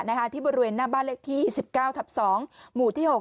นะคะที่บริเวณหน้าบ้านเล็กที่สิบเก้าทับสองหมู่ที่หก